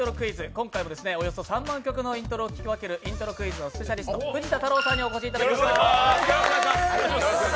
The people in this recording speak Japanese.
今回もおよそ３万曲のイントロを聴き分ける、イントロクイズのスペシャリスト、藤田太郎さんにお越しいただきました。